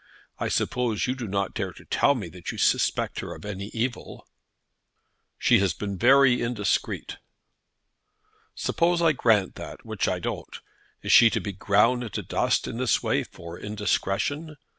I suppose you do not dare to tell me that you suspect her of any evil?" "She has been indiscreet." "Suppose I granted that, which I don't, is she to be ground into dust in this way for indiscretion?